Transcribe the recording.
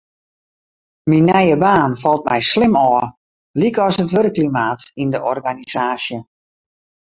Myn nije baan falt my slim ôf, lykas it wurkklimaat yn de organisaasje.